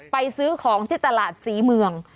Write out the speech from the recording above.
ซื้อของที่ตลาดศรีเมือง